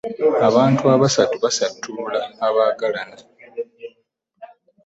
Abantu abasatu basattulula abaagalana.